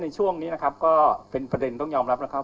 ช่วงนี้นะครับก็เป็นประเด็นต้องยอมรับแล้วครับ